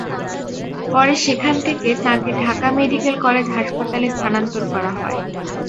পরে সেখান থেকে তাঁকে ঢাকা মেডিকেল কলেজ হাসপাতালে স্থানান্তর করা হয়।